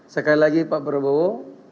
sekali lagi pak prabowo